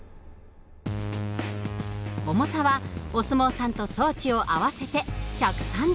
重さはお相撲さんと装置を合わせて１３０ｋｇ。